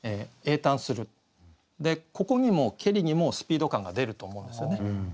でここにも「けり」にもスピード感が出ると思うんですよね。